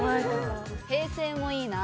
平成もいいな。